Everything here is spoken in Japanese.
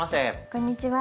こんにちは。